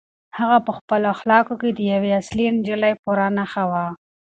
هغه په خپلو اخلاقو کې د یوې اصیلې نجلۍ پوره نښه وه.